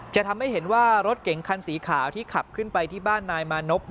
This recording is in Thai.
จะทำให้เห็นว่ารถเก๋งคันสีขาวที่ขับขึ้นไปที่บ้านนายมานพ